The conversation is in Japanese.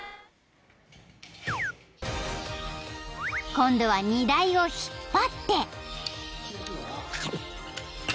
［今度は荷台を引っ張って］